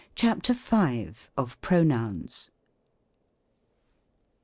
CHAPTER V. OF PRONOUNS.